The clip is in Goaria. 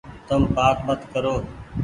تم پآپ مت ڪرو